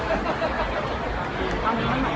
การรับความรักมันเป็นอย่างไร